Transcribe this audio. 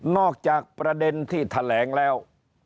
จากประเด็นที่แถลงแล้ว